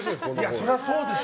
そりゃそうでしょ。